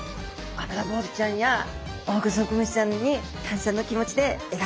アブラボウズちゃんやオオグソクムシちゃんに感謝の気持ちで描きました。